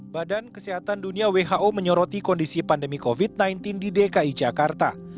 badan kesehatan dunia who menyoroti kondisi pandemi covid sembilan belas di dki jakarta